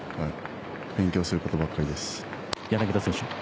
勉強することばっかりです。